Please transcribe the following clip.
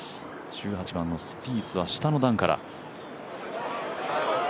１８番のスピースは下の段から。